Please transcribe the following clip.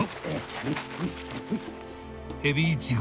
ヘビイチゴ。